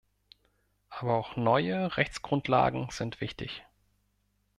Aber auch neue Rechtsgrundlagen sind wichtig.